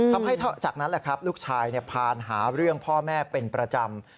ทำให้จากนั้นลูกชายพาหาเรื่องพ่อแม่เป็นประจำ